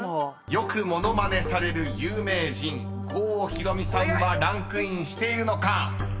［よく物まねされる有名人郷ひろみさんはランクインしているのか］